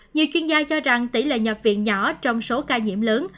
nhiều chuyên gia cho rằng tỷ lệ nhập viện nhỏ trong số ca nhiễm lớn